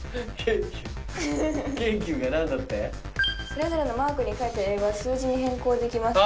「それぞれのマークに書いてある英語は数字に変更できます」